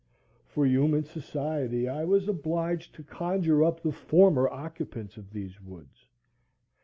For human society I was obliged to conjure up the former occupants of these woods.